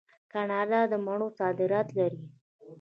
کاناډا د مڼو صادرات لري.